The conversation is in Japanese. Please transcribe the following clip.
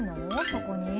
そこに？